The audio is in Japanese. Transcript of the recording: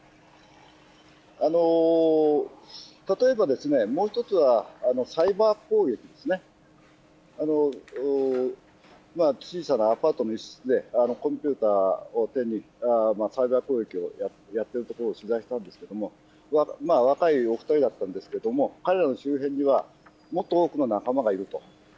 例えば、もう一つはサイバー攻撃ですね、小さなアパートの一室で、コンピューターを手に、サイバー攻撃をやっているところを取材したんですけれども、若いお２人だったんですけども、彼らの周辺にはもっと多くの仲間がいると。